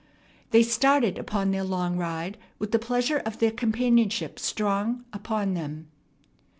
They started upon their long ride with the pleasure of their companionship strong upon them.